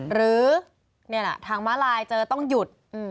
หรือนี่แหละทางม้าลายเจอต้องหยุด